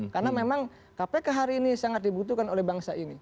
karena memang kpk hari ini sangat dibutuhkan oleh bangsa ini